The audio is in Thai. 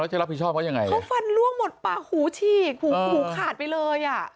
จะรับผิดชอบเขายังไงเขาฟันล่วงหมดปากหูฉีกหูหูขาดไปเลยอ่ะ